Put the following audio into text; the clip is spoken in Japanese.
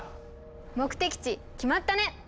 目的地決まったね！